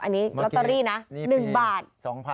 อันนี้ลอตเตอรี่นะ๑บาท